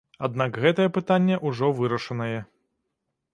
Аднак гэтае пытанне ўжо вырашанае.